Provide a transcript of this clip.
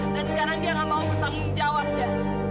dan sekarang dia gak mau bertanggung jawab ya